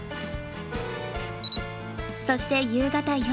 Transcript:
そして夕方４時。